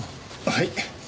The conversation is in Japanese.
はい？